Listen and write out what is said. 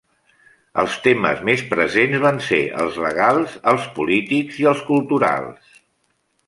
Els temes més presents van ser els legals, els polítics i els culturals.